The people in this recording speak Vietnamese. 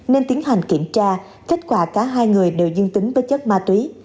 nên tiến hành kiểm tra kết quả cả hai người đều dương tính với chất ma túy